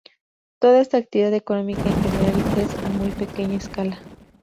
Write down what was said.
Toda esta actividad económica en general es a muy pequeña escala.